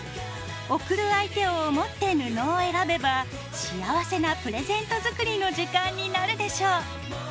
贈る相手を思って布を選べば幸せなプレゼント作りの時間になるでしょう。